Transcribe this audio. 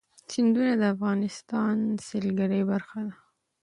سیندونه د افغانستان د سیلګرۍ برخه ده.